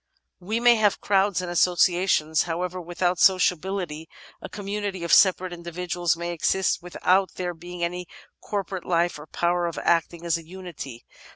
We may have crowds and associations, however, without sociability; a community of separate individuals may exist with out there being any corporate life or power of acting as a unity.